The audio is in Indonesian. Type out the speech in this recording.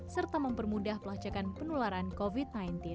serta mempermudah pelacakan penularan covid sembilan belas